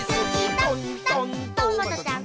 とんとんトマトちゃん」